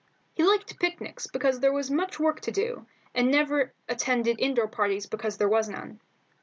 He liked picnics because there was much work to do, and never attended indoor parties because there was none.